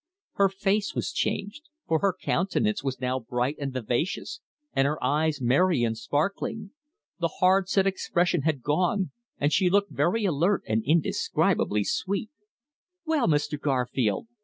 Her face was changed, for her countenance was now bright and vivacious, and her eyes merry and sparkling. The hard set expression had gone, and she looked very alert and indescribably sweet. "Well, Mr. Garfield!"